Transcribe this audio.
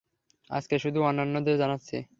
আজকে শুধু অন্যান্যদের জানাচ্ছি।